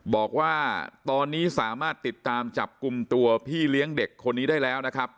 บอกว่าตอนนี้สามารถติดตามจับกลุ่มตัวพี่เลี้ยงเด็กคนนี้ได้แล้วนะครับ